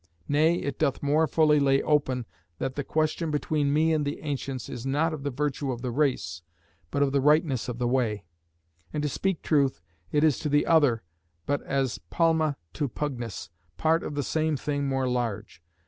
Nay it doth more fully lay open that the question between me and the ancients is not of the virtue of the race, but of the rightness of the way. And to speak truth, it is to the other but as palma to pugnus, part of the same thing more large....